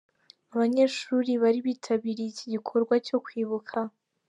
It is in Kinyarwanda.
Abanyeshuri bari bitabiriye iki gikorwa cyo kwibuka.